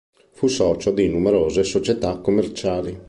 Fu socio di numerose società commerciali.